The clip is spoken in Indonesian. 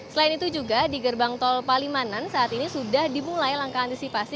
selain itu juga di gerbang tol palimanan saat ini sudah dimulai langkah antisipasi